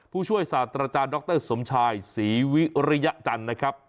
ผู้ช่วยศาสตราจารย์ดรสมชายศรีวิริยจันทร์นะครับ